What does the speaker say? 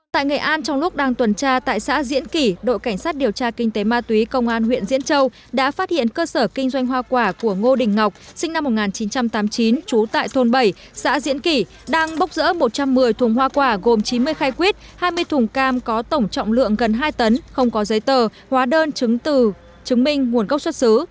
tại nghệ an trong lúc đang tuần tra tại xã diễn kỷ đội cảnh sát điều tra kinh tế ma túy công an huyện diễn châu đã phát hiện cơ sở kinh doanh hoa quả của ngô đình ngọc sinh năm một nghìn chín trăm tám mươi chín trú tại thôn bảy xã diễn kỷ đang bốc rỡ một trăm một mươi thùng hoa quả gồm chín mươi khai quyết hai mươi thùng cam có tổng trọng lượng gần hai tấn không có giấy tờ hóa đơn chứng từ chứng minh nguồn gốc xuất xứ